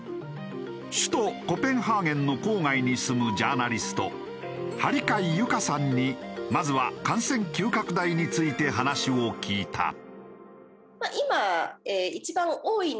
首都コペンハーゲンの郊外に住むジャーナリスト針貝有佳さんにまずは感染急拡大について話を聞いた。